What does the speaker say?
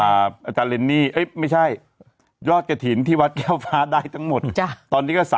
กระถินที่ลงอาจารย์เรนนี่ไม่ใช่ยอดกระถินที่วัดแก้วฟ้าได้ทั้งหมดจ้ะตอนนี้ก็